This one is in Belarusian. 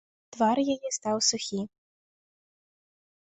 Твар яе стаў сухі.